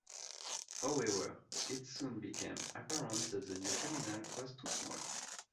However, it soon became apparent that the new terminal was too small.